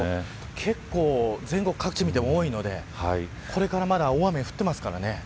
結構、全国各地を見ても多いのでこれからまだ大雨、降ってますからね。